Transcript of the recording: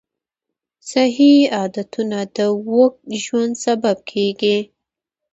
صحي عادتونه د اوږد ژوند سبب کېږي.